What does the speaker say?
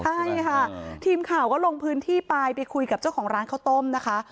ใช่ค่ะทีมข่าวก็ลงพื้นที่ไปไปคุยกับเจ้าของร้านข้าวต้มนะคะ